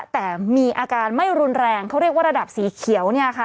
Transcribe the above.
แต่มีอาการไม่รุนแรงเขาเรียกว่าระดับสีเขียวเนี่ยค่ะ